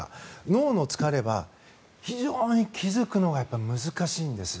脳の疲れは非常に気付くのが難しいんです。